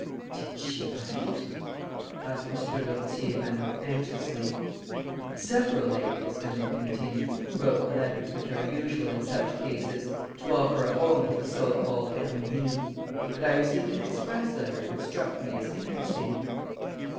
"Did she write?" asked M. de Lourtier Vaneau, anxiously. "Several ladies," Rénine continued, "wrote the letters which are usual in such cases, to offer a home to the so called Herminie. But I received an express letter which struck me as interesting."